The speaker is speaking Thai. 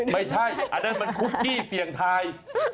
ไม่ใช่อันนั้นมันคุกกี้เสี่ยงทาย